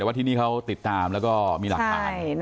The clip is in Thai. แต่ว่าที่นี่เขาติดตามแล้วก็มีหลักฐาน